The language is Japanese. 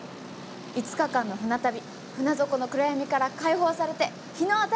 ５日間の船旅船底の暗闇から解放されて日の当たる世界へ！